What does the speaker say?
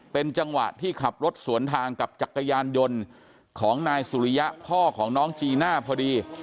เป็นจังหวะที่ขับรถสวนทางกับจักรยานยนต์ของนายสุริยะพ่อของน้องจีน่าพอดี